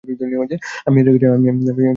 আমি হেরে গেছি, মিথিলি।